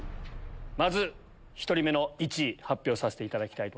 まず１人目の１位発表させていただきます。